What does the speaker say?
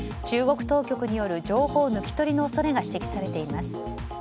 中国当局による情報抜き取りの恐れが指摘されています。